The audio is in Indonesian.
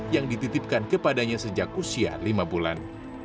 yang dititipkan kepadanya sejak usia lima bulan